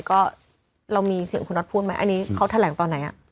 ก็เรามีเสียงคุณน็อตพูดไหมอันนี้เขาแถลงตอนไหน